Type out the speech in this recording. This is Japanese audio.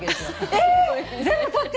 えっ！？